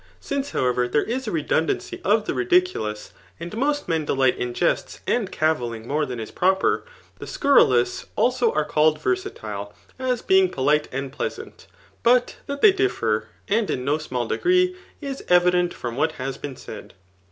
Since^ fapweyer, there is a re4oAdanq^ i)f the ridiculottfy and most men delight in jests and c^ yflling more than is proper ; the scurrilous also are called, versatile, as being polite and pleasant men. But that th€y £ffer, and in no small degree, is e>'ident from what h^ been said.